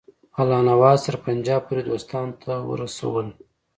الله نواز تر پنجاب پوري دوستانو ته ورسول.